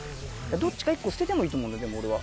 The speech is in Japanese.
どっちか１個捨ててもいいと思う俺は。